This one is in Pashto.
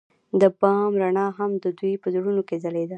د بام رڼا هم د دوی په زړونو کې ځلېده.